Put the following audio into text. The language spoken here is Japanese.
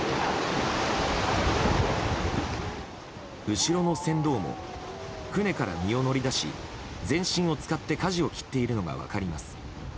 後ろの船頭も船から身を乗り出し全身を使ってかじを切っているのが分かります。